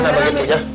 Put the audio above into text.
nama gitu ya